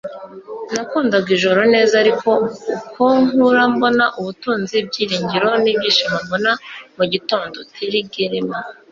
nakundaga ijoro neza ariko uko nkura mbona ubutunzi, ibyiringiro n'ibyishimo mbona mu gitondo. - terri guillemets